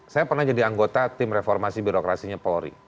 saya pernah jadi anggota tim reformasi birokrasinya polri